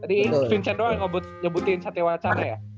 tadi vincent doang yang nyebutin chateau alcana ya